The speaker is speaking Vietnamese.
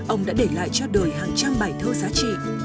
ông đã để lại cho đời hàng trăm bài thơ giá trị